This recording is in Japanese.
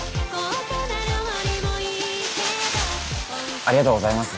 ありがとうございます。